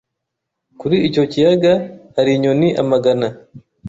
Kuri icyo kiyaga hari inyoni amagana.